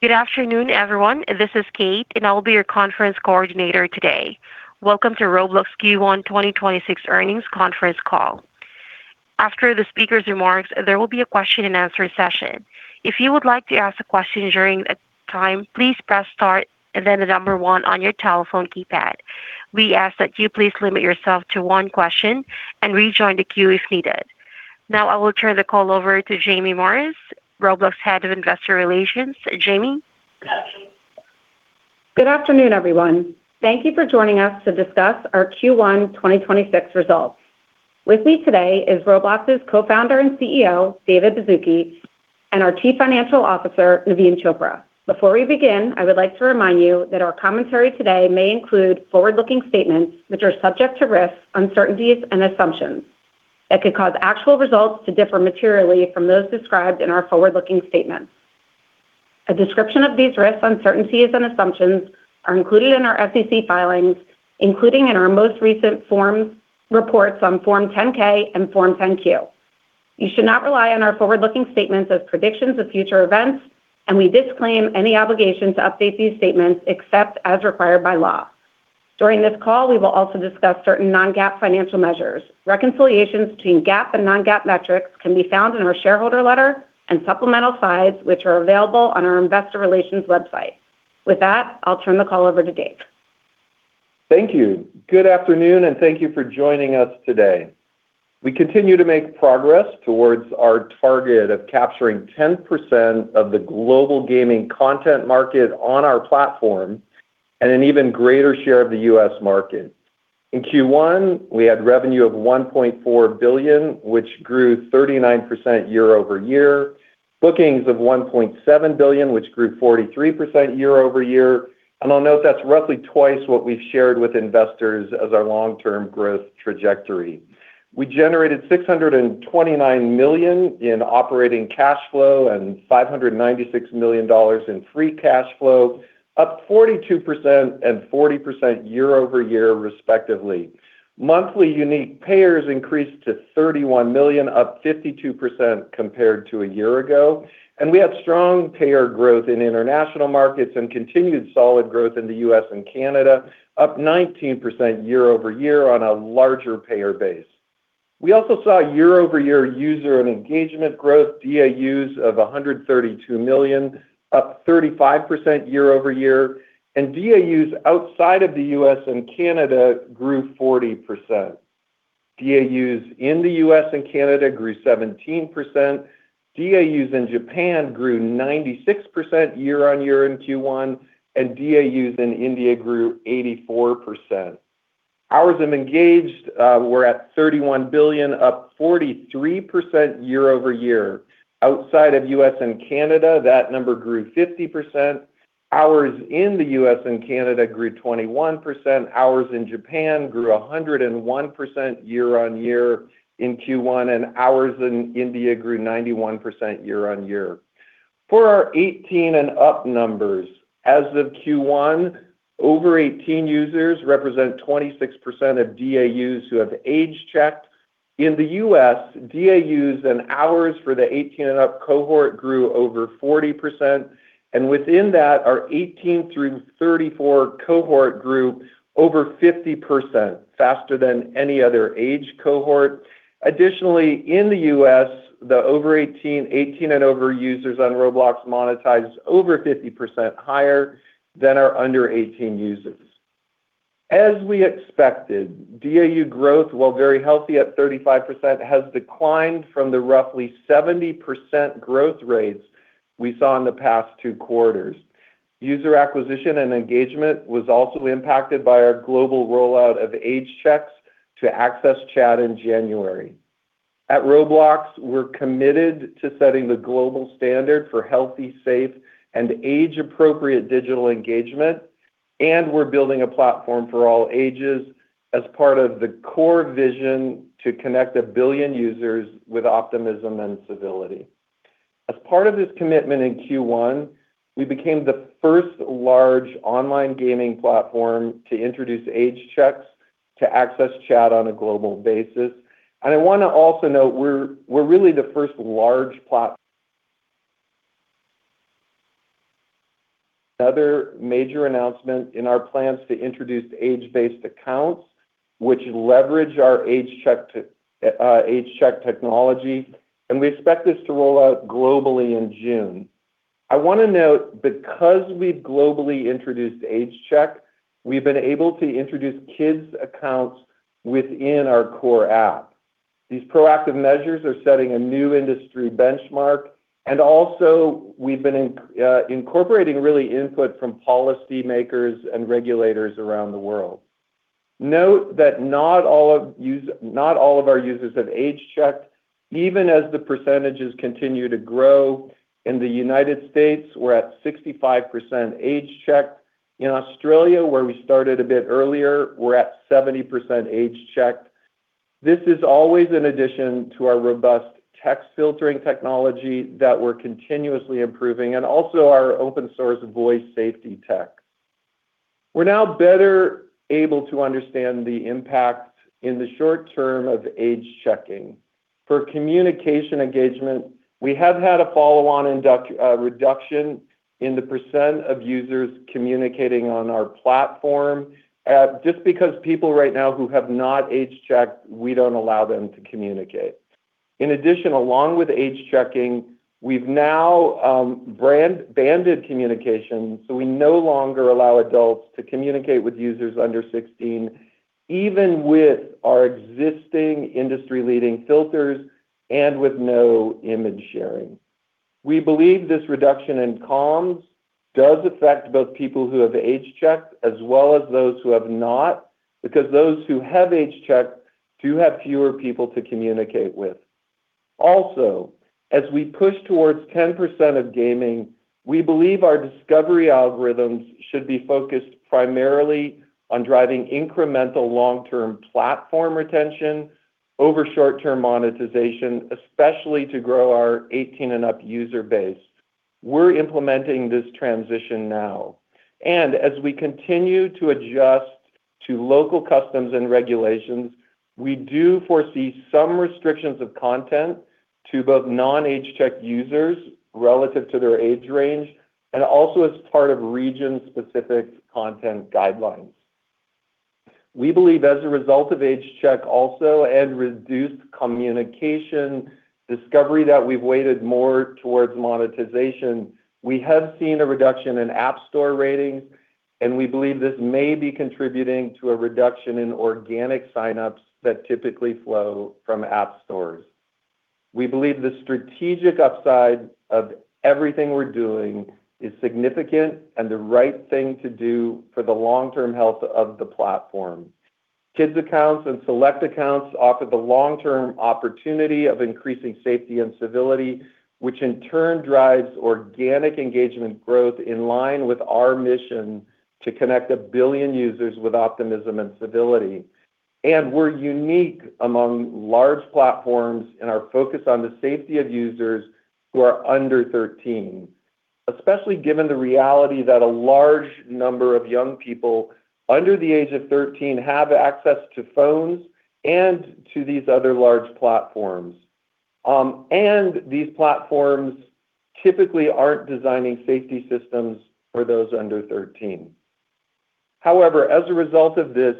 Good afternoon, everyone. This is Kate, and I will be your conference coordinator today. Welcome to Roblox Q1 2026 earnings Conference Call. After the speaker's remarks, there will be a question and answer session. If you would like to ask a question during that time, please Press Start and then the number one on your telephone keypad. We ask that you please limit yourself to one question and rejoin the queue if needed. I will turn the call over to Jaime Morris, Roblox Head of Investor Relations. Jaime? Good afternoon, everyone. Thank you for joining us to discuss our Q1 2026 results. With me today is Roblox's Co-founder and CEO, David Baszucki, and our Chief Financial Officer, Naveen Chopra. Before we begin, I would like to remind you that our commentary today may include forward-looking statements which are subject to risks, uncertainties, and assumptions that could cause actual results to differ materially from those described in our forward-looking statements. A description of these risks, uncertainties, and assumptions are included in our SEC filings, including in our most recent reports on Form 10-K and Form 10-Q. You should not rely on our forward-looking statements as predictions of future events. We disclaim any obligation to update these statements except as required by law. During this call, we will also discuss certain non-GAAP financial measures. Reconciliations between GAAP and non-GAAP metrics can be found in our shareholder letter and supplemental slides, which are available on our investor relations website. With that, I'll turn the call over to Dave. Thank you. Good afternoon, and thank you for joining us today. We continue to make progress towards our target of capturing 10% of the global gaming content market on our platform and an even greater share of the U.S. market. In Q1, we had revenue of $1.4 billion, which grew 39% year-over-year. Bookings of $1.7 billion, which grew 43% year-over-year. I'll note that's roughly twice what we've shared with investors as our long-term growth trajectory. We generated $629 million in operating cash flow and $596 million in free cash flow, up 42% and 40% year-over-year, respectively. Monthly unique payers increased to 31 million, up 52% compared to a year ago. We have strong payer growth in international markets and continued solid growth in the U.S. and Canada, up 19% year-over-year on a larger payer base. We also saw year-over-year user and engagement growth, DAUs of 132 million, up 35% year-over-year, and DAUs outside of the U.S. and Canada grew 40%. DAUs in the U.S. and Canada grew 17%. DAUs in Japan grew 96% year-on-year in Q1, and DAUs in India grew 84%. Hours of engaged were at 31 billion, up 43% year-over-year. Outside of U.S. and Canada, that number grew 50%. Hours in the U.S. and Canada grew 21%. Hours in Japan grew 101% year-on-year in Q1, and hours in India grew 91% year-on-year. For our 18 and up numbers, as of Q1, over 18 users represent 26% of DAUs who have age checked. In the U.S., DAUs and hours for the 18 and up cohort grew over 40%, and within that, our 18 through 34 cohort grew over 50% faster than any other age cohort. Additionally, in the U.S., the 18 and over users on Roblox monetized over 50% higher than our under 18 users. As we expected, DAU growth, while very healthy at 35%, has declined from the roughly 70% growth rates we saw in the past two quarters. User acquisition and engagement was also impacted by our global rollout of age checks to access chat in January. At Roblox, we're committed to setting the global standard for healthy, safe, and age-appropriate digital engagement, we're building a platform for all ages as part of the core vision to connect a billion users with optimism and civility. As part of this commitment in Q1, we became the 1st large online gaming platform to introduce age checks to access chat on a global basis. I want to also note Another major announcement in our plans to introduce age-based accounts, which leverage our age check technology, we expect this to roll out globally in June. I want to note because we've globally introduced age check, we've been able to introduce kids' accounts within our core app. These proactive measures are setting a new industry benchmark, we've been incorporating really input from policy makers and regulators around the world. Note that not all of our users have age checked, even as the percentages continue to grow. In the United States, we're at 65% age checked. In Australia, where we started a bit earlier, we're at 70% age checked. This is always in addition to our robust text filtering technology that we're continuously improving and also our open source voice safety tech. We're now better able to understand the impact in the short term of age checking. For communication engagement, we have had a follow-on reduction in the percent of users communicating on our platform, just because people right now who have not age checked, we don't allow them to communicate. In addition, along with age-checking, we've now banded communication, so we no longer allow adults to communicate with users under 16, even with our existing industry-leading filters and with no image sharing. We believe this reduction in comms does affect both people who have age-checked as well as those who have not, because those who have age-checked do have fewer people to communicate with. As we push towards 10% of gaming, we believe our discovery algorithms should be focused primarily on driving incremental long-term platform retention over short-term monetization, especially to grow our 18-and-up user base. We're implementing this transition now, and as we continue to adjust to local customs and regulations, we do foresee some restrictions of content to both non-age-checked users relative to their age range and also as part of region-specific content guidelines. We believe as a result of age check also and reduced communication discovery that we've weighted more towards monetization, we have seen a reduction in App Store ratings, and we believe this may be contributing to a reduction in organic signups that typically flow from app stores. We believe the strategic upside of everything we're doing is significant and the right thing to do for the long-term health of the platform. Kids accounts and select accounts offer the long-term opportunity of increasing safety and civility, which in turn drives organic engagement growth in line with our mission to connect 1 billion users with optimism and civility. We're unique among large platforms in our focus on the safety of users who are under 13, especially given the reality that a large number of young people under the age of 13 have access to phones and to these other large platforms. These platforms typically aren't designing safety systems for those under 13. However, as a result of this,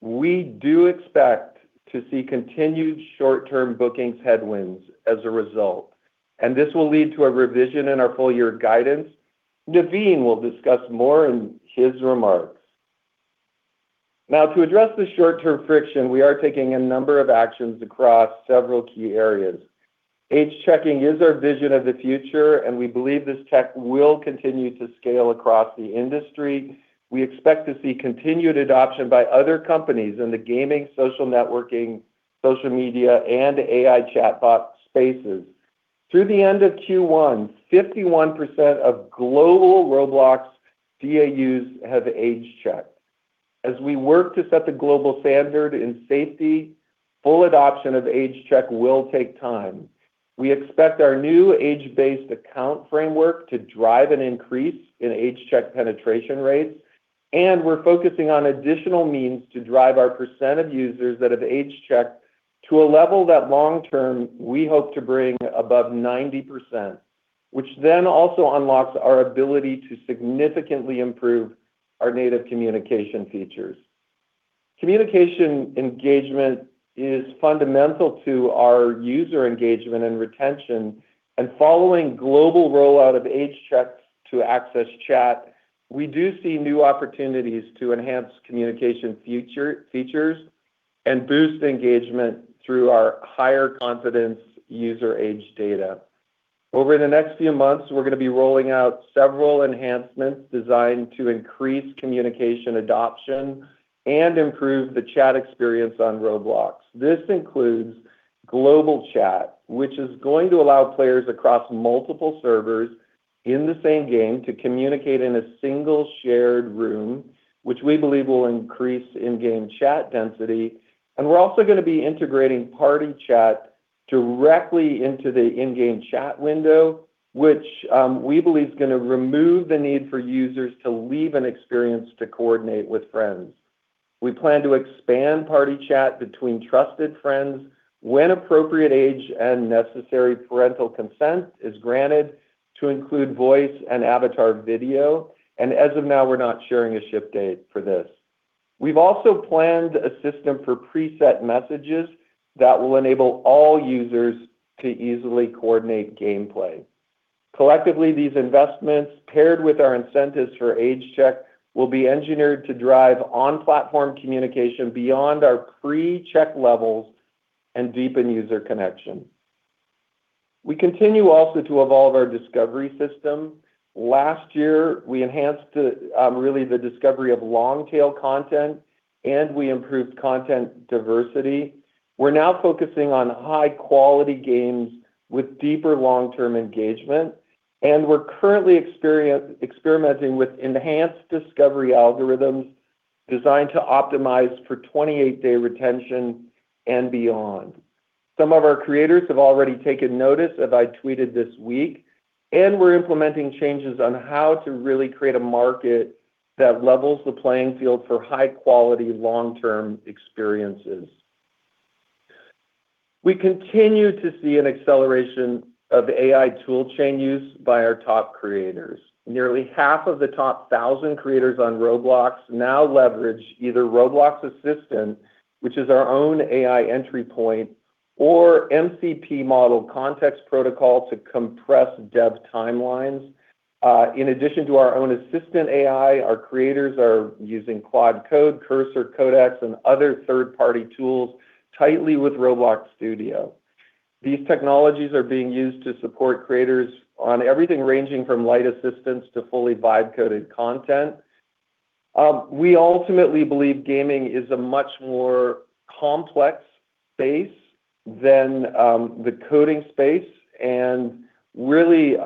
we do expect to see continued short-term bookings headwinds as a result, and this will lead to a revision in our full year guidance. Naveen will discuss more in his remarks. Now to address the short-term friction, we are taking a number of actions across several key areas. Age checking is our vision of the future, and we believe this tech will continue to scale across the industry. We expect to see continued adoption by other companies in the gaming, social networking, social media, and AI chatbot spaces. Through the end of Q1, 51% of global Roblox DAUs have age checked. As we work to set the global standard in safety, full adoption of age check will take time. We expect our new age-based account framework to drive an increase in age check penetration rates. We're focusing on additional means to drive our percent of users that have age checked to a level that long term we hope to bring above 90%, which then also unlocks our ability to significantly improve our native communication features. Communication engagement is fundamental to our user engagement and retention. Following global rollout of age checks to access chat, we do see new opportunities to enhance communication features and boost engagement through our higher confidence user age data. Over the next few months, we're going to be rolling out several enhancements designed to increase communication adoption and improve the chat experience on Roblox. This includes global chat, which is going to allow players across multiple servers in the same game to communicate in a single shared room, which we believe will increase in-game chat density. We're also going to be integrating party chat directly into the in-game chat window, which we believe is going to remove the need for users to leave an experience to coordinate with friends. We plan to expand party chat between trusted friends when appropriate age and necessary parental consent is granted to include voice and avatar video. As of now, we're not sharing a ship date for this. We've also planned a system for preset messages that will enable all users to easily coordinate gameplay. Collectively, these investments, paired with our incentives for age check, will be engineered to drive on-platform communication beyond our pre-check levels and deepen user connection. We continue also to evolve our discovery system. Last year, we enhanced really the discovery of long-tail content, we improved content diversity. We're now focusing on high-quality games with deeper long-term engagement, we're currently experimenting with enhanced discovery algorithms designed to optimize for 28-day retention and beyond. Some of our creators have already taken notice, as I tweeted this week. We're implementing changes on how to really create a market that levels the playing field for high-quality long-term experiences. We continue to see an acceleration of AI tool chain use by our top creators. Nearly half of the top 1,000 creators on Roblox now leverage either Roblox Assistant, which is our own AI entry point, or MCP Model Context Protocol to compress dev timelines. In addition to our own Roblox Assistant, our creators are using Claude Code, Cursor, Codex, and other third-party tools tightly with Roblox Studio. These technologies are being used to support creators on everything ranging from light assistance to fully vibe-coded content. We ultimately believe gaming is a much more complex space than the coding space, and really,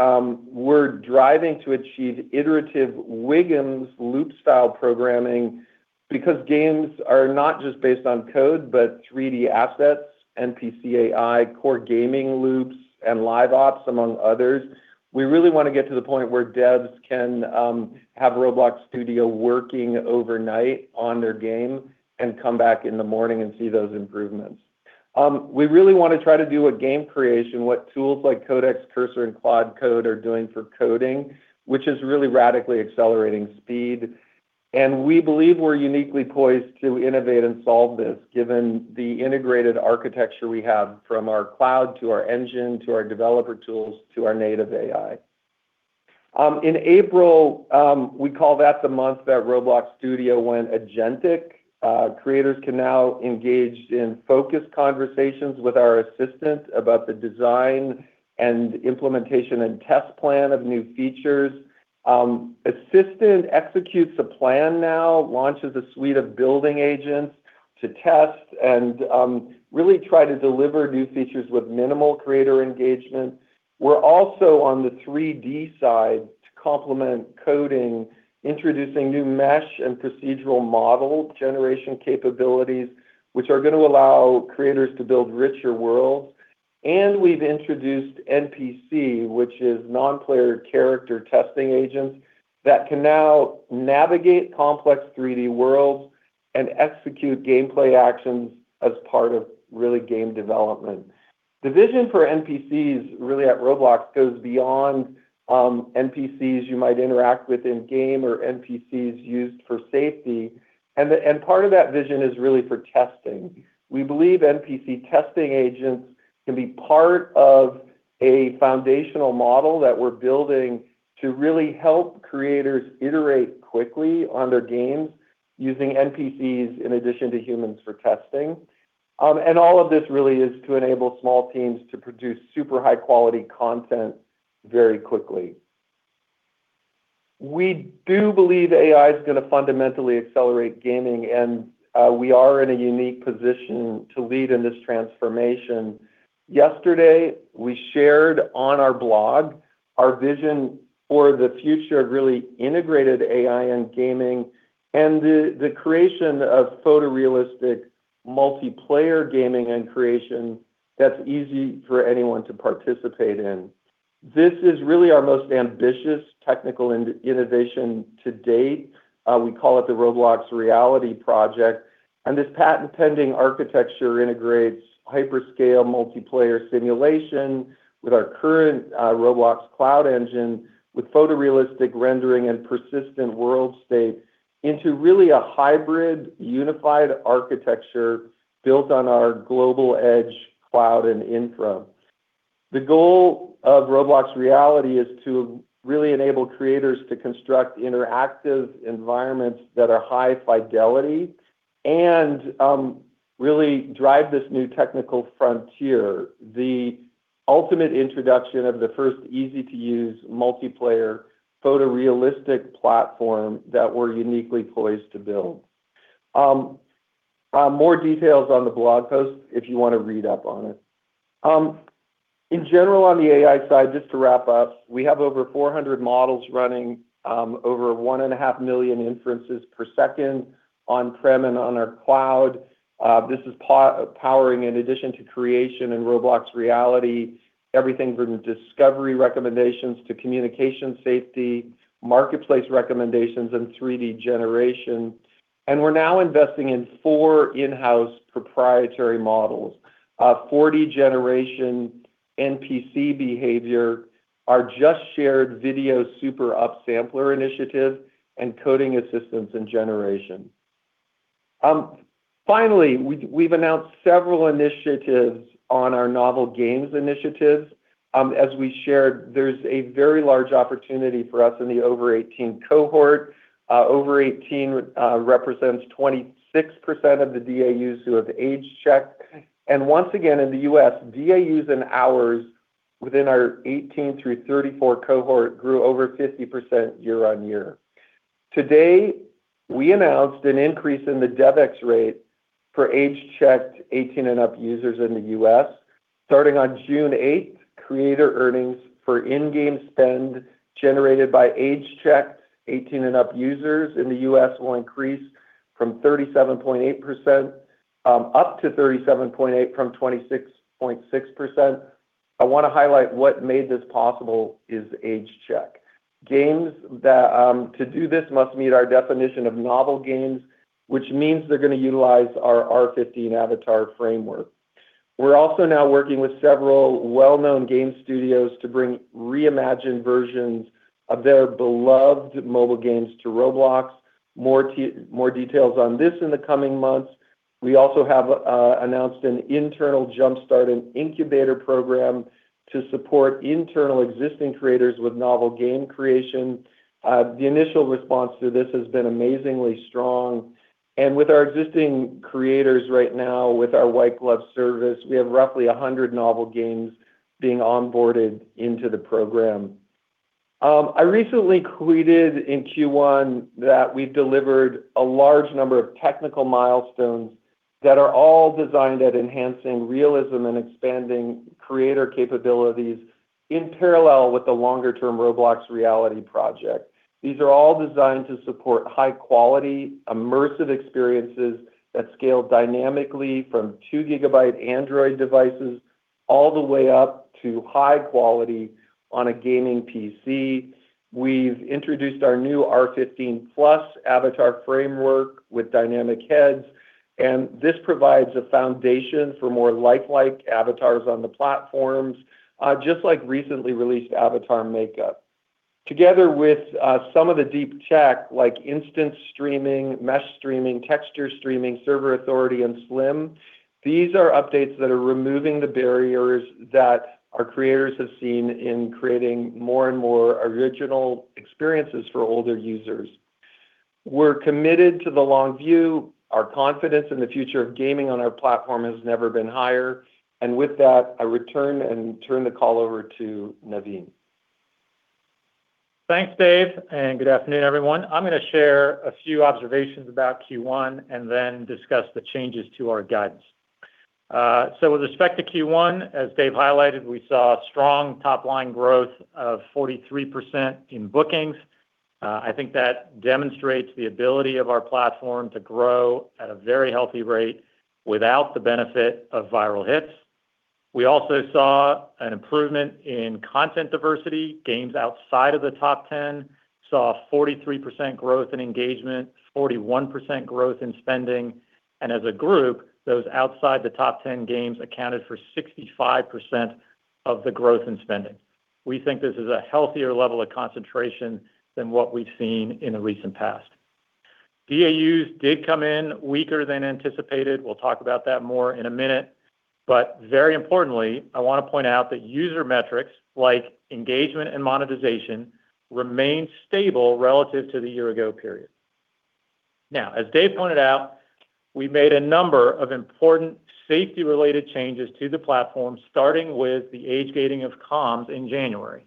we're driving to achieve iterative OODA loop-style programming because games are not just based on code but 3D assets, NPC AI, core gaming loops, and LiveOps, among others. We really want to get to the point where devs can have Roblox Studio working overnight on their game and come back in the morning and see those improvements. We really want to try to do a game creation, what tools like Codex, Cursor, and Claude Code are doing for coding, which is really radically accelerating speed. We believe we're uniquely poised to innovate and solve this, given the integrated architecture we have from our cloud, to our engine, to our developer tools, to our native AI. In April, we call that the month that Roblox Studio went agentic. Creators can now engage in focused conversations with our Assistant about the design and implementation and test plan of new features. Assistant executes a plan now, launches a suite of building agents to test and really try to deliver new features with minimal creator engagement. We're also on the 3D side to complement coding, introducing new mesh and procedural model generation capabilities, which are going to allow creators to build richer worlds. We've introduced NPC, which is non-player character testing agents that can now navigate complex 3D worlds and execute gameplay actions as part of, really, game development. The vision for NPCs, really, at Roblox goes beyond NPCs you might interact with in game or NPCs used for safety, and part of that vision is really for testing. We believe NPC testing agents can be part of a foundational model that we're building to really help creators iterate quickly on their games using NPCs in addition to humans for testing. All of this really is to enable small teams to produce super high-quality content very quickly. We do believe AI is going to fundamentally accelerate gaming, we are in a unique position to lead in this transformation. Yesterday, we shared on our blog our vision for the future of really integrated AI and gaming and the creation of photorealistic multiplayer gaming and creation that's easy for anyone to participate in. This is really our most ambitious technical innovation to date. We call it the Roblox Reality Project, this patent-pending architecture integrates hyperscale multiplayer simulation with our current Roblox Cloud engine with photorealistic rendering and persistent world state into really a hybrid unified architecture built on our global edge cloud and infra. The goal of Roblox Reality is to really enable creators to construct interactive environments that are high fidelity and really drive this new technical frontier. The ultimate introduction of the first easy-to-use multiplayer photorealistic platform that we're uniquely poised to build. More details on the blog post if you want to read up on it. In general, on the AI side, just to wrap up, we have over 400 models running over 1.5 million inferences per second on-prem and on our cloud. This is powering, in addition to creation and Roblox Reality, everything from discovery recommendations to communication safety, marketplace recommendations, and 3D generation. We're now investing in four in-house proprietary models. 40 generation NPC behavior, our just-shared video super upsampler initiative, and coding assistance and generation. Finally, we've announced several initiatives on our novel games initiatives. As we shared, there's a very large opportunity for us in the over 18 cohort. Over 18 represents 26% of the DAUs who have age checked. Once again, in the U.S., DAUs and hours within our 18 through 34 cohort grew over 50% year-over-year. Today, we announced an increase in the DevEx rate for age-checked 18 and up users in the U.S. Starting on June 8th,creator earnings for in-game spend generated by age-checked 18 and up users in the U.S. will increase up to 37.8% from 26.6%. I wanna highlight what made this possible is age check. Games that to do this must meet our definition of novel games, which means they're gonna utilize our R15 Avatar framework. We're also now working with several well-known game studios to bring reimagined versions of their beloved mobile games to Roblox. More details on this in the coming months. We also have announced an internal jumpstart and incubator program to support internal existing creators with novel game creation. The initial response to this has been amazingly strong. With our existing creators right now, with our white glove service, we have roughly 100 novel games being onboarded into the program. I recently tweeted in Q1 that we've delivered a large number of technical milestones that are all designed at enhancing realism and expanding creator capabilities in parallel with the longer-term Roblox Reality project. These are all designed to support high quality, immersive experiences that scale dynamically from 2Gb Android devices all the way up to high quality on a gaming PC. We've introduced our new R15 Plus Avatar framework with dynamic heads, and this provides a foundation for more lifelike avatars on the platforms, just like recently released Avatar Makeup. Together with some of the deep tech like instance streaming, mesh streaming, texture streaming, server authority, and SLIM, these are updates that are removing the barriers that our creators have seen in creating more and more original experiences for older users. We're committed to the long view. Our confidence in the future of gaming on our platform has never been higher. With that, I return and turn the call over to Naveen. Thanks, Dave. Good afternoon, everyone. I'm gonna share a few observations about Q1 and then discuss the changes to our guidance. With respect to Q1, as Dave highlighted, we saw strong top-line growth of 43% in bookings. I think that demonstrates the ability of our platform to grow at a very healthy rate without the benefit of viral hits. We also saw an improvement in content diversity. Games outside of the top 10 saw 43% growth in engagement, 41% growth in spending. As a group, those outside the top 10 games accounted for 65% of the growth in spending. We think this is a healthier level of concentration than what we've seen in the recent past. DAU did come in weaker than anticipated. We'll talk about that more in one minute. Very importantly, I wanna point out that user metrics like engagement and monetization remained stable relative to the year ago period. Now, as Dave pointed out, we made a number of important safety-related changes to the platform, starting with the age gating of comms in January.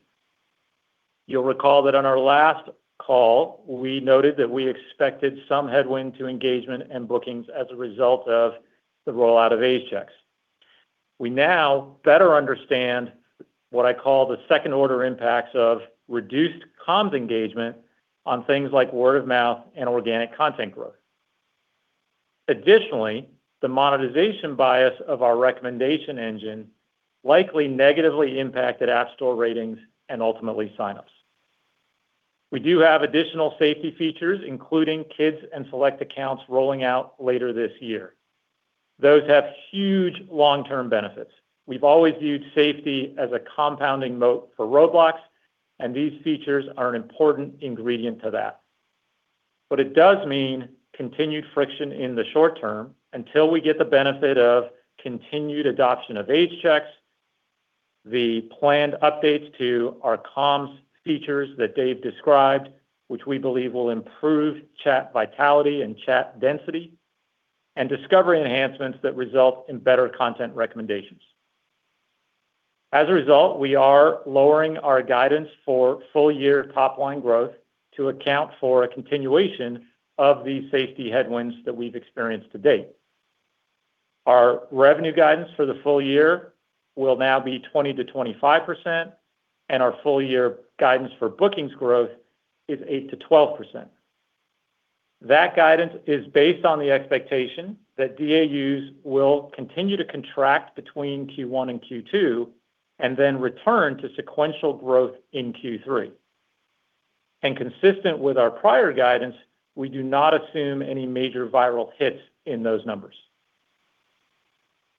You'll recall that on our last call, we noted that we expected some headwind to engagement and bookings as a result of the rollout of age checks. We now better understand what I call the second-order impacts of reduced comms engagement on things like word of mouth and organic content growth. Additionally, the monetization bias of our recommendation engine likely negatively impacted App Store ratings and ultimately signups. We do have additional safety features, including kids and select accounts rolling out later this year. Those have huge long-term benefits. We've always viewed safety as a compounding moat for Roblox, and these features are an important ingredient to that. It does mean continued friction in the short term until we get the benefit of continued adoption of age checks, the planned updates to our comms features that Dave described, which we believe will improve chat vitality and chat density, and discovery enhancements that result in better content recommendations. As a result, we are lowering our guidance for full year top line growth to account for a continuation of the safety headwinds that we've experienced to date. Our revenue guidance for the full year will now be 20%-25%, and our full year guidance for bookings growth is 8%-12%. That guidance is based on the expectation that DAU will continue to contract between Q1 and Q2 and then return to sequential growth in Q3. Consistent with our prior guidance, we do not assume any major viral hits in those numbers.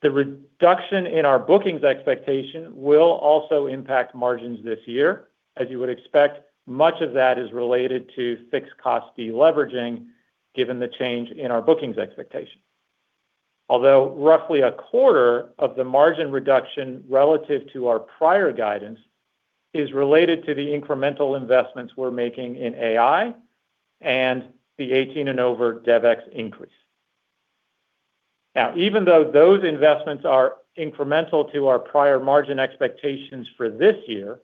The reduction in our bookings expectation will also impact margins this year. As you would expect, much of that is related to fixed cost deleveraging given the change in our bookings expectation. Roughly a quarter of the margin reduction relative to our prior guidance is related to the incremental investments we're making in AI and the 18 and over DevEx increase. Even though those investments are incremental to our prior margin expectations for this year,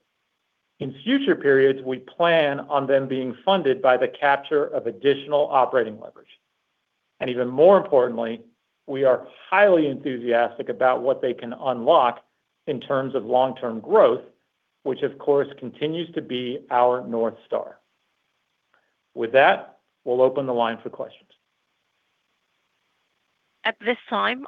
in future periods, we plan on them being funded by the capture of additional operating leverage. Even more importantly, we are highly enthusiastic about what they can unlock in terms of long-term growth, which of course continues to be our North Star. With that, we'll open the line for questions. Your first question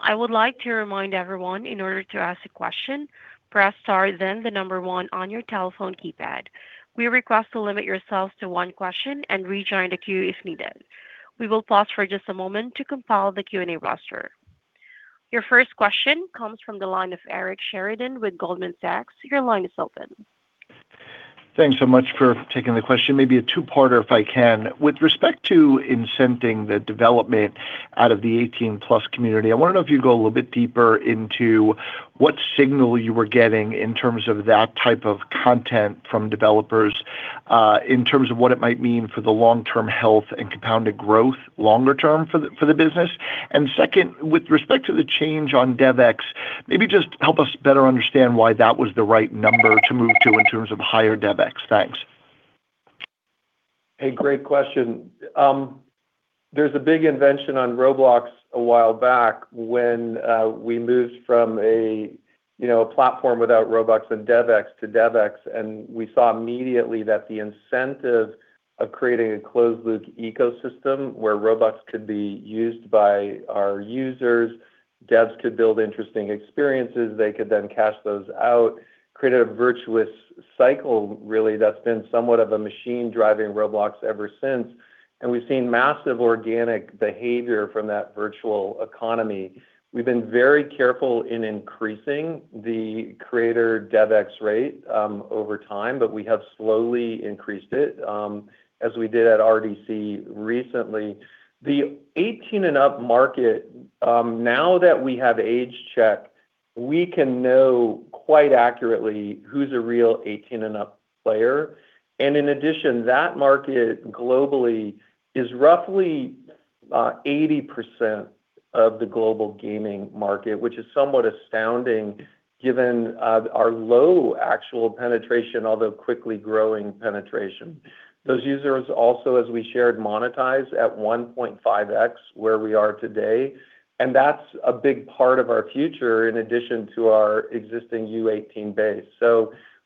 comes from the line of Eric Sheridan with Goldman Sachs. Your line is open. Thanks so much for taking the question. Maybe a two parter if I can. With respect to incenting the development out of the 18-plus community, I wanna know if you go a little bit deeper into what signal you were getting in terms of that type of content from developers, in terms of what it might mean for the long-term health and compounded growth longer term for the business. Second, with respect to the change on DevEx, maybe just help us better understand why that was the right number to move to in terms of higher DevEx. Thanks. A great question. There's a big invention on Roblox a while back when we moved from a, you know, a platform without Robux and DevEx to DevEx. We saw immediately that the incentive of creating a closed loop ecosystem where Robux could be used by our users, devs could build interesting experiences, they could then cash those out, created a virtuous cycle really that's been somewhat of a machine driving Roblox ever since. We've seen massive organic behavior from that virtual economy. We've been very careful in increasing the creator DevEx rate over time, but we have slowly increased it as we did at RDC recently. The 18 and up market, now that we have age check, we can know quite accurately who's a real 18 and up player. In addition, that market globally is roughly 80% of the global gaming market, which is somewhat astounding given our low actual penetration, although quickly growing penetration. Those users also, as we shared, monetize at 1.5x where we are today, and that's a big part of our future in addition to our existing U18 base.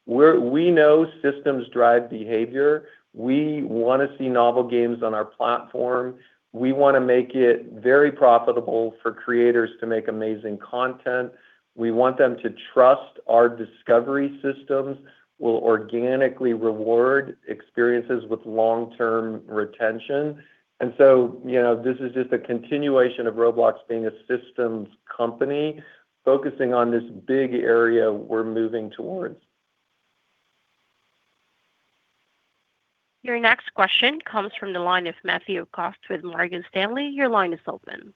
We know systems drive behavior. We wanna see novel games on our platform. We wanna make it very profitable for creators to make amazing content. We want them to trust our discovery systems will organically reward experiences with long-term retention. You know, this is just a continuation of Roblox being a systems company focusing on this big area we're moving towards. Your next question comes from the line of Matthew Cost with Morgan Stanley. Your line is open.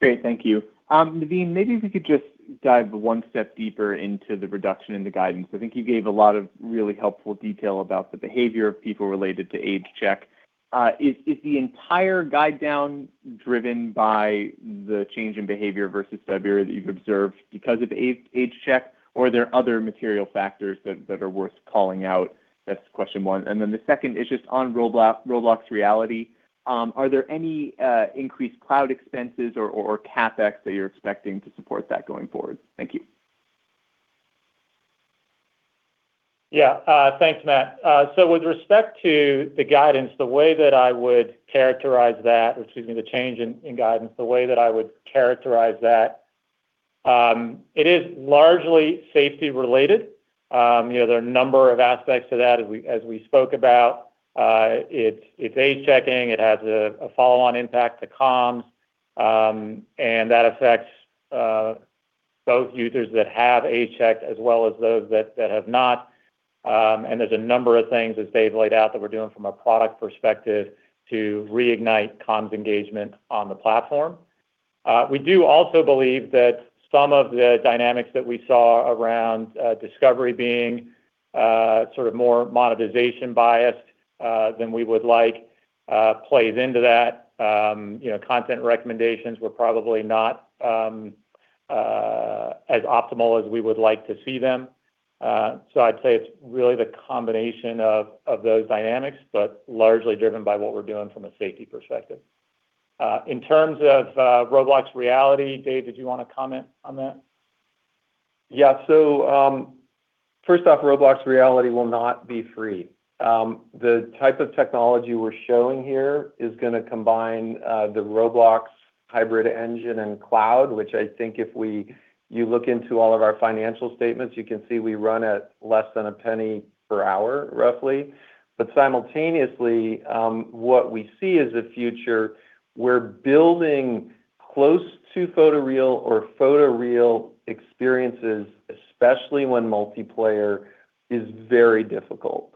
Great. Thank you. Naveen, maybe if you could just dive one step deeper into the reduction in the guidance. I think you gave a lot of really helpful detail about the behavior of people related to age check. Is the entire guide down driven by the change in behavior versus February that you've observed because of age check, or are there other material factors that are worth calling out? That's question one. The second is just on Roblox Reality. Are there any increased cloud expenses or CapEx that you're expecting to support that going forward? Thank you. Thanks, Matt. With respect to the guidance, or excuse me, the change in guidance, the way that I would characterize that, it is largely safety related. You know, there are a number of aspects to that as we spoke about. It's age checking. It has a follow-on impact to comms, and that affects both users that have age checks as well as those that have not. There's a number of things as Dave laid out that we're doing from a product perspective to reignite comms engagement on the platform. We do also believe that some of the dynamics that we saw around discovery being sort of more monetization biased than we would like, plays into that. You know, content recommendations were probably not as optimal as we would like to see them. I'd say it's really the combination of those dynamics, but largely driven by what we're doing from a safety perspective. In terms of Roblox Reality, Dave, did you wanna comment on that? Yeah. First off, Roblox Reality will not be free. The type of technology we're showing here is gonna combine the Roblox hybrid engine and Roblox Cloud, which I think if you look into all of our financial statements, you can see we run at less than $0.01 per hour, roughly. Simultaneously, what we see as a future, we're building close to photoreal or photoreal experiences, especially when multiplayer is very difficult.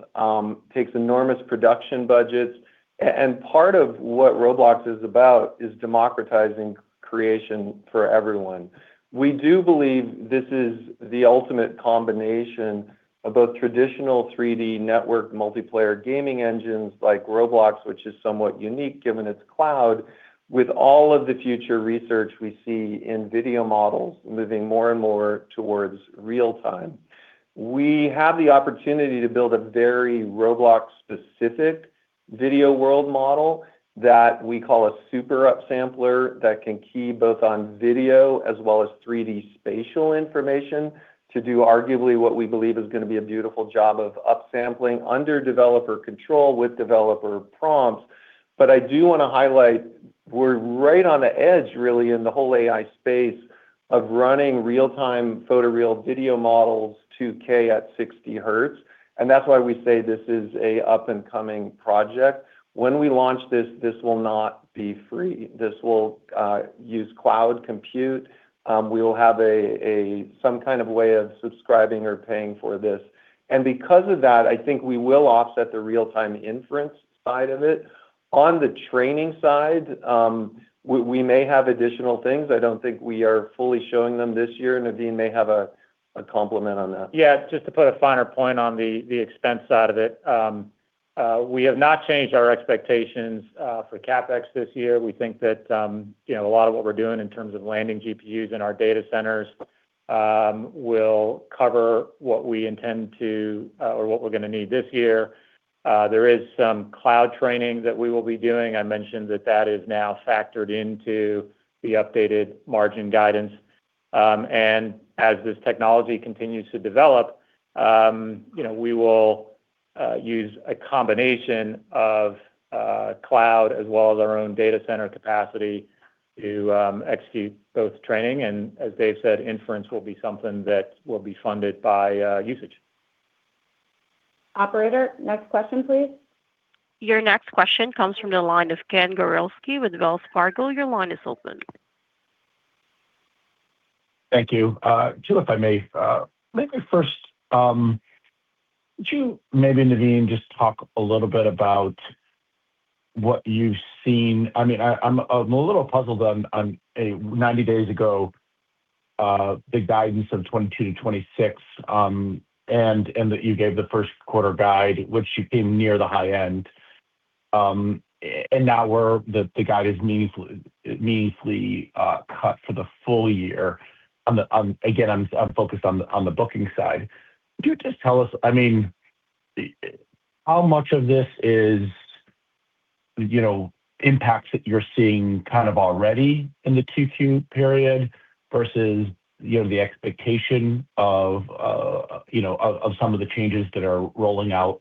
Takes enormous production budgets. Part of what Roblox is about is democratizing creation for everyone. We do believe this is the ultimate combination of both traditional three-D network multiplayer gaming engines like Roblox, which is somewhat unique given its cloud, with all of the future research we see in video models moving more and more towards real time. We have the opportunity to build a very Roblox-specific Video World Model that we call a super upsampler that can key both on video as well as three-D spatial information to do arguably what we believe is going to be a beautiful job of upsampling under developer control with developer prompts. I do want to highlight, we're right on the edge really in the whole AI space of running real-time photoreal video models 2K at 60 hertz, and that's why we say this is a up-and-coming project. When we launch this will not be free. This will use cloud compute. We will have some kind of way of subscribing or paying for this. Because of that, I think we will offset the real-time inference side of it. On the training side, we may have additional things. I don't think we are fully showing them this year. Naveen may have a complement on that. Yeah, just to put a finer point on the expense side of it. We have not changed our expectations for CapEx this year. We think that, you know, a lot of what we're doing in terms of landing GPUs in our data centers will cover what we intend to or what we're going to need this year. There is some cloud training that we will be doing. I mentioned that that is now factored into the updated margin guidance. As this technology continues to develop, you know, we will use a combination of cloud as well as our own data center capacity to execute both training, and as Dave said, inference will be something that will be funded by usage. Your next question comes from the line of Ken Gawrelski with Wells Fargo. Your line is open. Thank you. Two, if I may. Let me first, would you maybe, Naveen, just talk a little bit about what you've seen? I mean, I'm a little puzzled on a 90 days ago, the guidance of 22-26, and that you gave the first quarter guide, which you came near the high end. And now the guide is meaningfully cut for the full year. On the, again, I'm focused on the booking side. Could you just tell us, I mean, how much of this is, you know, impacts that you're seeing kind of already in the 2-2 period versus, you know, the expectation of, you know, of some of the changes that are rolling out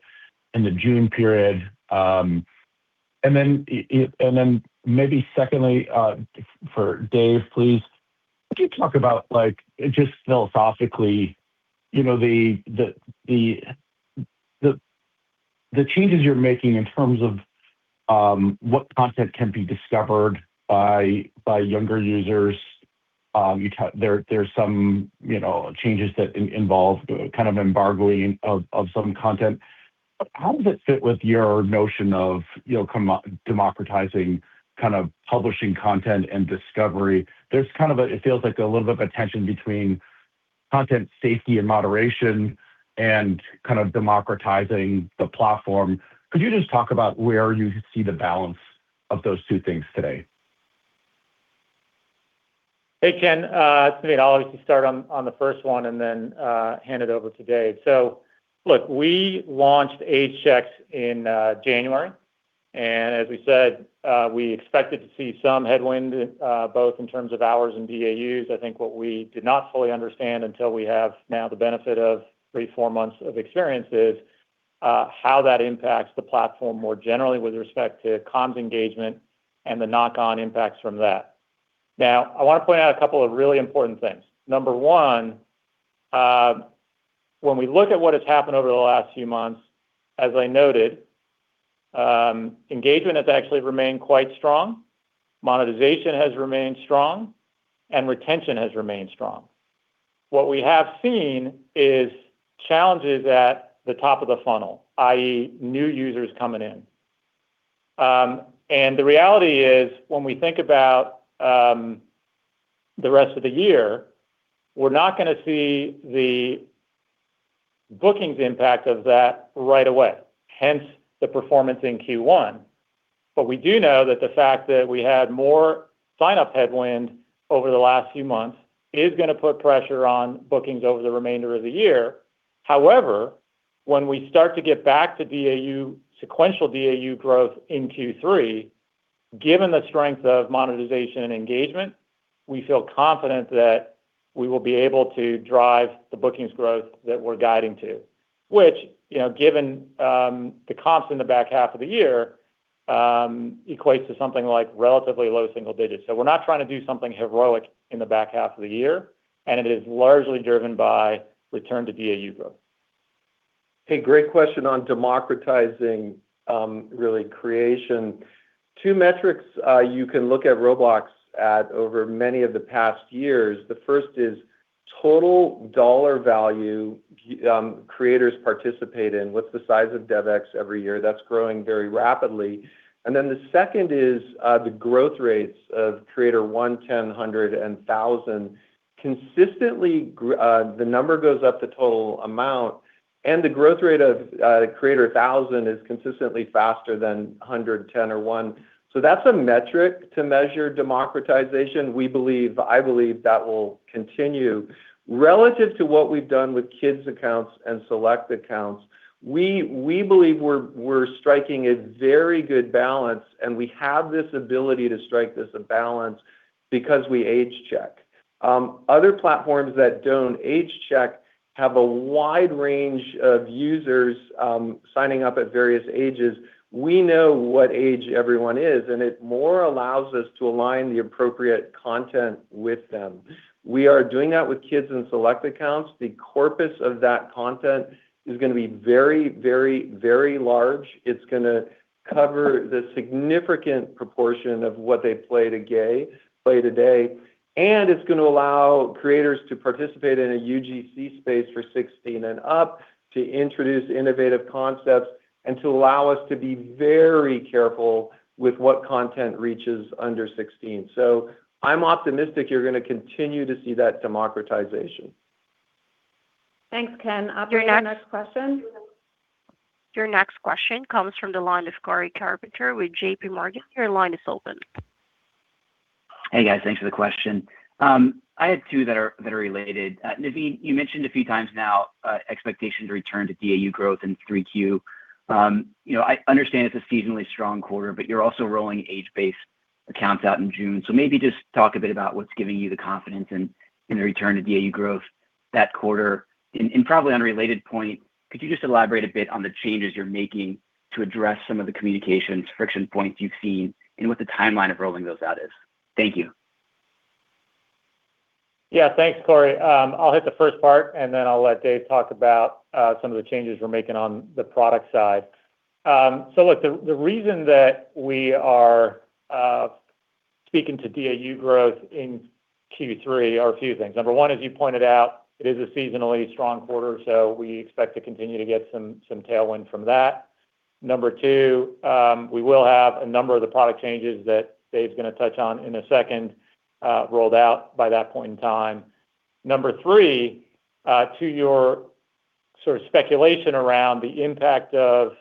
in the June period? Maybe secondly, for Dave, please, could you talk about, like, just philosophically, you know, the changes you're making in terms of what content can be discovered by younger users? You know, there's some, you know, changes that involve kind of embargoing of some content. How does it fit with your notion of, you know, democratizing, kind of publishing content and discovery? There's kind of it feels like a little bit of a tension between content safety and moderation and kind of democratizing the platform. Could you just talk about where you see the balance of those two things today? Hey, Ken. Maybe I'll actually start on the first one and then hand it over to Dave. Look, we launched Age Check in January. As we said, we expected to see some headwind both in terms of hours and DAU. I think what we did not fully understand until we have now the benefit of 3-4 months of experience is how that impacts the platform more generally with respect to comms engagement and the knock-on impacts from that. I want to point out a couple of really important things. Number one, when we look at what has happened over the last few months, as I noted, engagement has actually remained quite strong, monetization has remained strong, and retention has remained strong. What we have seen is challenges at the top of the funnel, i.e., new users coming in. The reality is, when we think about the rest of the year, we're not going to see the bookings impact of that right away, hence the performance in Q1. We do know that the fact that we had more signup headwind over the last few months is going to put pressure on bookings over the remainder of the year. However, when we start to get back to DAU, sequential DAU growth in Q3, given the strength of monetization and engagement, we feel confident that we will be able to drive the bookings growth that we're guiding to, which, you know, given the comps in the back half of the year, equates to something like relatively low single digits. We're not trying to do something heroic in the back half of the year, and it is largely driven by return to DAU growth. Hey, great question on democratizing really creation. Two metrics you can look at Roblox at over many of the past years. The 1st is total dollar value creators participate in. What's the size of DevEx every year? That's growing very rapidly. The 2nd is the growth rates of creator 1, 10, 100, and 1,000. Consistently the number goes up the total amount, and the growth rate of creator 1,000 is consistently faster than 100, 10, or 1. That's a metric to measure democratization. We believe, I believe that will continue. Relative to what we've done with kids accounts and select accounts, we believe we're striking a very good balance, and we have this ability to strike this a balance because we age check. Other platforms that don't age check have a wide range of users, signing up at various ages. We know what age everyone is, and it more allows us to align the appropriate content with them. We are doing that with kids in select accounts. The corpus of that content is gonna be very, very, very large. It's gonna cover the significant proportion of what they play today, and it's gonna allow creators to participate in a UGC space for 16 and up to introduce innovative concepts and to allow us to be very careful with what content reaches under 16. I'm optimistic you're gonna continue to see that democratization. Thanks, Ken. Your next- Operator, next question. Your next question comes from the line of Cory Carpenter with JP Morgan. Your line is open. Hey, guys. Thanks for the question. I have two that are related. Naveen, you mentioned a few times now, expectations return to DAU growth in 3Q. You know, I understand it's a seasonally strong quarter, you're also rolling age-based accounts out in June. Maybe just talk a bit about what's giving you the confidence in the return to DAU growth that quarter. Probably on a related point, could you just elaborate a bit on the changes you're making to address some of the communications friction points you've seen and what the timeline of rolling those out is? Thank you. Thanks, Cory. I'll hit the first part, and then I'll let Dave talk about some of the changes we're making on the product side. Look, the reason that we are speaking to DAU growth in Q3 are a few things. Number one, as you pointed out, it is a seasonally strong quarter, so we expect to continue to get some tailwind from that. Number two, we will have a number of the product changes that Dave's gonna touch on in a second rolled out by that point in time. Number three, to your sort of speculation around the impact of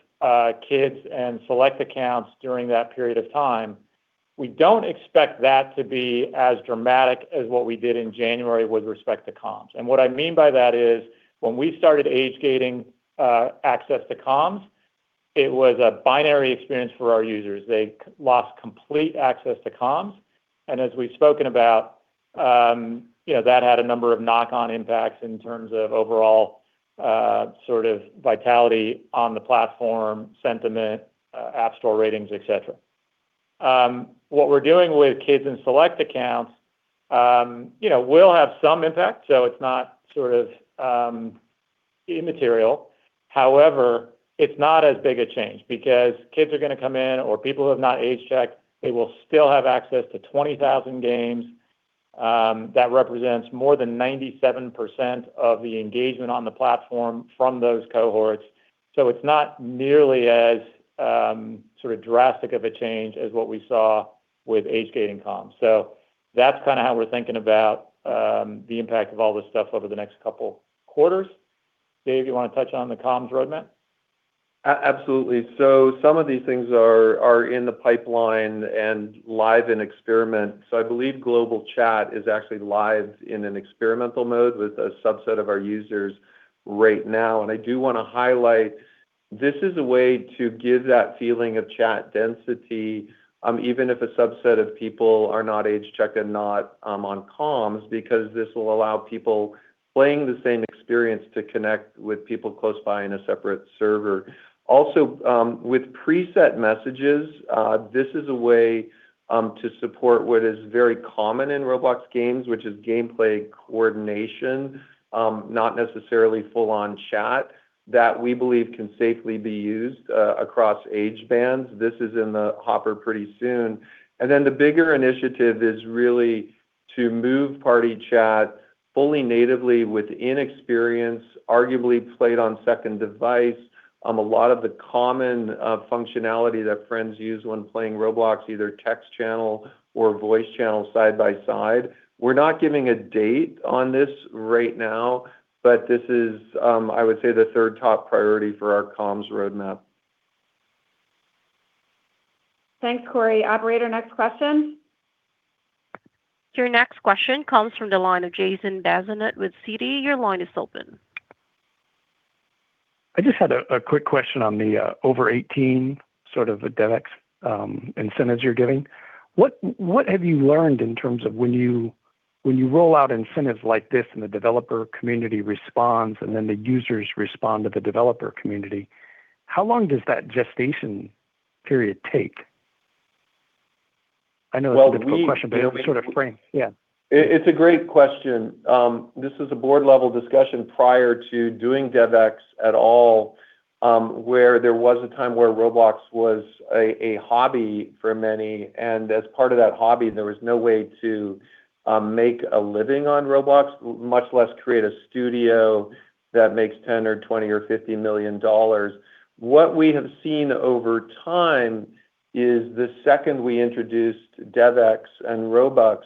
kids and select accounts during that period of time, we don't expect that to be as dramatic as what we did in January with respect to comms. What I mean by that is when we started age-gating access to comms, it was a binary experience for our users. They lost complete access to comms. As we've spoken about, you know, that had a number of knock-on impacts in terms of overall sort of vitality on the platform, sentiment, App Store ratings, et cetera. What we're doing with kids and select accounts, you know, will have some impact, so it's not sort of immaterial. However, it's not as big a change because kids are gonna come in or people who have not age checked, they will still have access to 20,000 games that represents more than 97% of the engagement on the platform from those cohorts. It's not nearly as sort of drastic of a change as what we saw with age-gating comms. That's kind of how we're thinking about the impact of all this stuff over the next couple quarters. Dave, you wanna touch on the comms roadmap? Absolutely. Some of these things are in the pipeline and live in experiment. I believe global chat is actually live in an experimental mode with a subset of our users right now. I do wanna highlight, this is a way to give that feeling of chat density, even if a subset of people are not age checked and not on comms, because this will allow people playing the same experience to connect with people close by in a separate server. Also, with preset messages, this is a way to support what is very common in Roblox games, which is gameplay coordination, not necessarily full-on chat, that we believe can safely be used across age bands. This is in the hopper pretty soon. The bigger initiative is really to move party chat fully natively within experience, arguably played on second device, a lot of the common functionality that friends use when playing Roblox, either text channel or voice channel side by side. We're not giving a date on this right now, but this is, I would say the third top priority for our comms roadmap. Thanks, Cory. Operator, next question. Your next question comes from the line of Jason Bazinet with Citi. Your line is open. I just had a quick question on the over 18 sort of DevEx incentives you're giving. What have you learned in terms of when you roll out incentives like this and the developer community responds, and then the users respond to the developer community? How long does that gestation period take? I know it's a difficult question- Well, we Sort of frame. Yeah. It's a great question. This is a board-level discussion prior to doing DevEx at all, where there was a time where Roblox was a hobby for many. As part of that hobby, there was no way to make a living on Roblox, much less create a studio that makes $10 million or $20 million or $50 million. What we have seen over time is the second we introduced DevEx and Robux,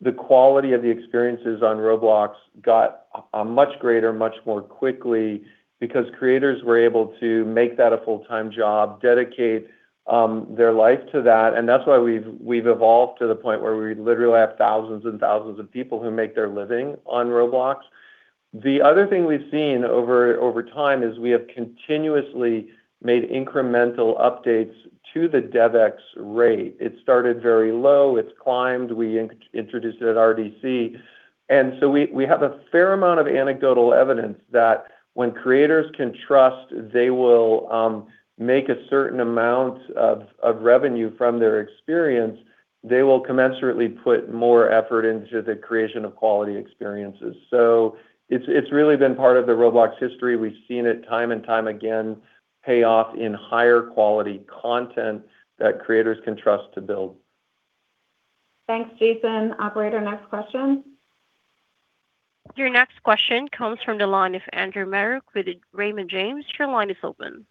the quality of the experiences on Roblox got much greater much more quickly because creators were able to make that a full-time job, dedicate their life to that. That's why we've evolved to the point where we literally have thousands and thousands of people who make their living on Roblox. The other thing we've seen over time is we have continuously made incremental updates to the DevEx rate. It started very low. It's climbed. We introduced it at RDC. We have a fair amount of anecdotal evidence that when creators can trust, they will make a certain amount of revenue from their experience, they will commensurately put more effort into the creation of quality experiences. It's really been part of the Roblox history. We've seen it time and time again pay off in higher quality content that creators can trust to build. Thanks, Jason. Operator, next question. Your next question comes from the line of Andrew Marok with Raymond James. Your line is open.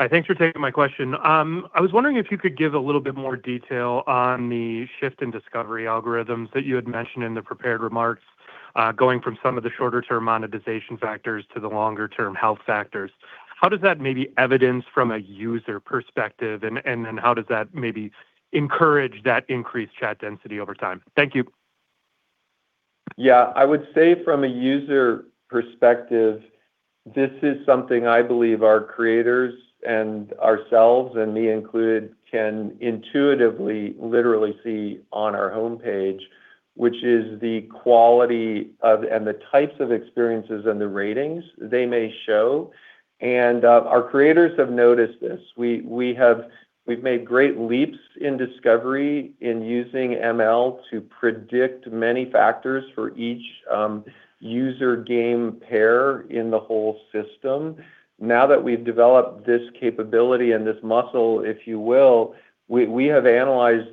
Hi. Thanks for taking my question. I was wondering if you could give a little bit more detail on the shift in discovery algorithms that you had mentioned in the prepared remarks, going from some of the shorter term monetization factors to the longer term health factors. How does that maybe evidence from a user perspective, and how does that maybe encourage that increased chat density over time? Thank you. Yeah. I would say from a user perspective, this is something I believe our creators and ourselves, and me included, can intuitively, literally see on our homepage, which is the quality of, and the types of experiences and the ratings they may show. Our creators have noticed this. We've made great leaps in discovery in using ML to predict many factors for each user-game pair in the whole system. Now that we've developed this capability and this muscle, if you will, we have analyzed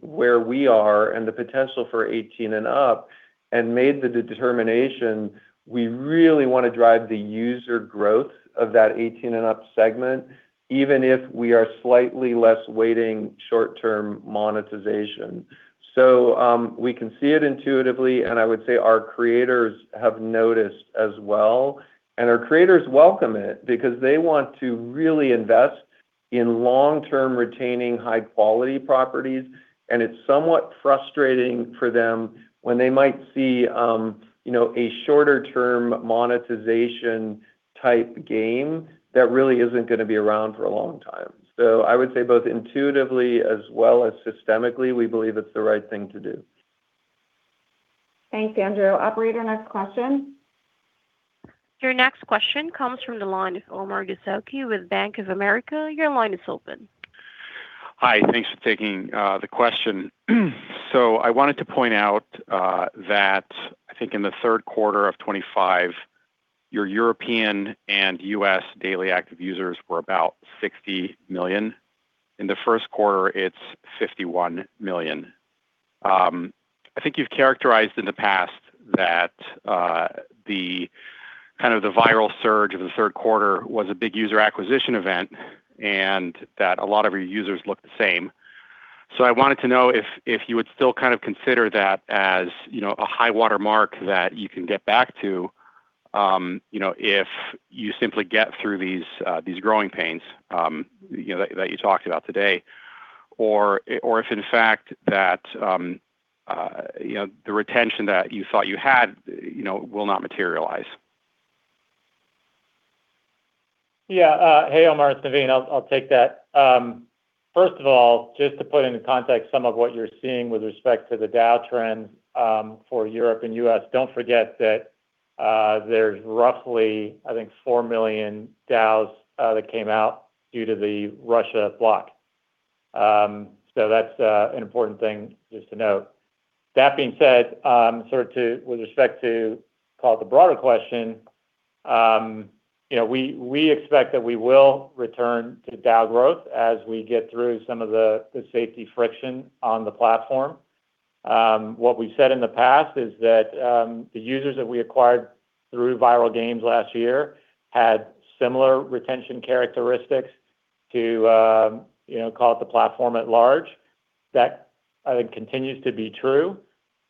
where we are and the potential for 18 and up and made the determination we really wanna drive the user growth of that 18 and up segment, even if we are slightly less weighting short-term monetization. We can see it intuitively, and I would say our creators have noticed as well. Our creators welcome it because they want to really invest in long-term retaining high-quality properties, and it's somewhat frustrating for them when they might see, you know, a shorter term monetization type game that really isn't going to be around for a long time. I would say both intuitively as well as systemically, we believe it's the right thing to do. Thanks, Andrew. Operator, next question. Your next question comes from the line of Omar Dessouky with Bank of America. Your line is open. Hi. Thanks for taking the question. I wanted to point out that I think in the third quarter of 2025, your European and U.S. daily active users were about 60 million. In the first quarter, it's 51 million. I think you've characterized in the past that the kind of the viral surge of the third quarter was a big user acquisition event and that a lot of your users look the same. I wanted to know if you would still kind of consider that as, you know, a high water mark that you can get back to, you know, if you simply get through these growing pains, you know, that you talked about today, or if in fact that, you know, the retention that you thought you had, you know, will not materialize. Hey, Omar. It's Naveen. I'll take that. First of all, just to put into context some of what you're seeing with respect to the DAU trend, for Europe and U.S., don't forget that there's roughly, I think, 4 million DAU that came out due to the Russia block. That's an important thing just to note. That being said, with respect to call it the broader question, you know, we expect that we will return to DAU growth as we get through some of the safety friction on the platform. What we've said in the past is that the users that we acquired through viral games last year had similar retention characteristics to, you know, call it the platform at large. That, I think, continues to be true.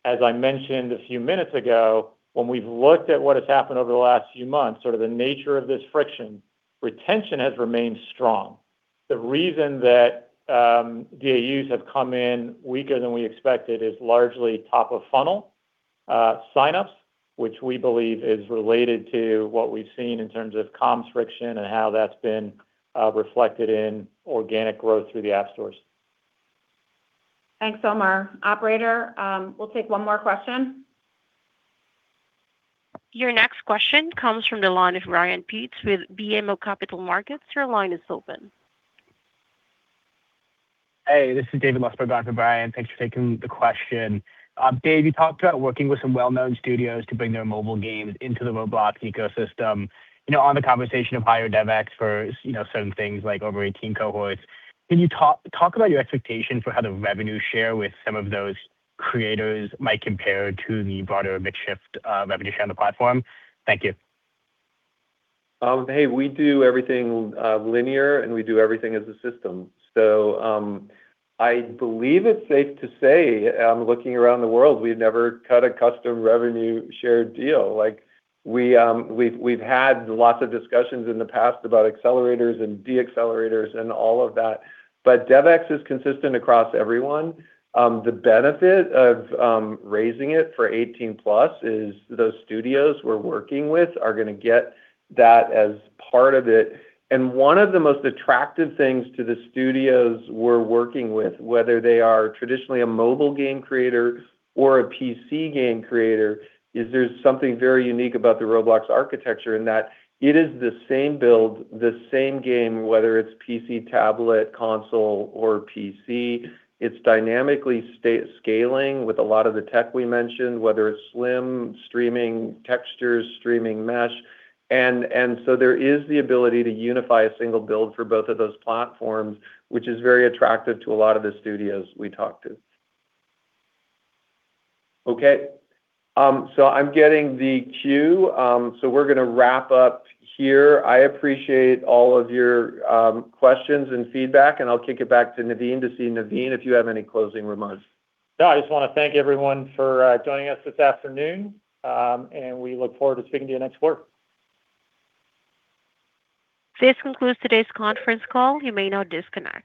As I mentioned a few minutes ago, when we've looked at what has happened over the last few months, sort of the nature of this friction, retention has remained strong. The reason that DAU have come in weaker than we expected is largely top of funnel sign-ups, which we believe is related to what we've seen in terms of comms friction and how that's been reflected in organic growth through the app stores. Thanks, Omar. Operator, we'll take one more question. Your next question comes from the line of Ryan Peet with BMO Capital Markets. Your line is open. Hey, this is David Lustberg on for Ryan. Thanks for taking the question. Dave, you talked about working with some well-known studios to bring their mobile games into the Roblox ecosystem. You know, on the conversation of higher DevEx for, you know, certain things like over 18 cohorts, can you talk about your expectation for how the revenue share with some of those creators might compare to the broader mix shift, revenue share on the platform? Thank you. Hey, we do everything linear, we do everything as a system. I believe it's safe to say, looking around the world, we've never cut a custom revenue shared deal. Like, we've had lots of discussions in the past about accelerators and deaccelerators and all of that, but DevEx is consistent across everyone. The benefit of raising it for 18 plus is those studios we're working with are gonna get that as part of it. One of the most attractive things to the studios we're working with, whether they are traditionally a mobile game creator or a PC game creator, is there's something very unique about the Roblox architecture in that it is the same build, the same game, whether it's PC tablet, console, or PC. It's dynamically scaling with a lot of the tech we mentioned, whether it's SLIM, streaming textures, streaming mesh. There is the ability to unify a single build for both of those platforms, which is very attractive to a lot of the studios we talk to. Okay. I'm getting the cue, we're gonna wrap up here. I appreciate all of your questions and feedback. I'll kick it back to Naveen to see, Naveen, if you have any closing remarks. No, I just wanna thank everyone for joining us this afternoon, and we look forward to speaking to you next quarter. This concludes today's Conference Call. You may now disconnect.